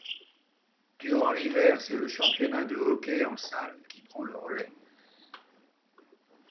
Durant l'hiver, c'est le championnat de hockey en salle qui prend le relais.